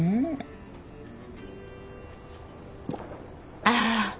ああ。